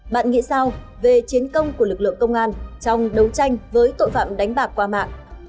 bạn nghĩ sao về chiến công của lực lượng công an trong đấu tranh với tội phạm đánh bạc qua mạng